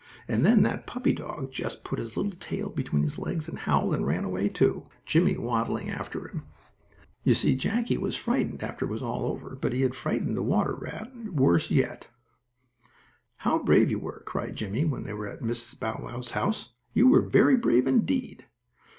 And then that puppy dog just put his little tail between his legs, and howled, and ran away, too; Jimmie waddling after him. You see Jackie was frightened after it was all over, but he had frightened the rat worse yet. "How brave you were!" cried Jimmie, when they were at Mrs. Bow Wow's house. "You were very brave, indeed."